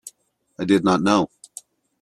I did not know.